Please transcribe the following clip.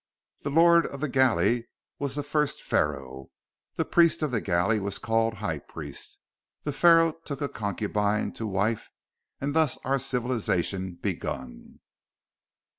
The lord of the galley was the first Pharaoh; the priest of the galley was called High Priest; the Pharaoh took a concubine to wife and thus was our civilization begun.